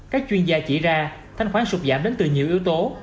các chuyên gia chỉ ra thanh khoán sụp giảm đến từ nhiều yếu tố